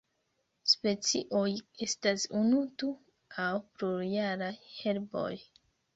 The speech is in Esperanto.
La specioj estas unu, du aŭ plurjaraj herboj.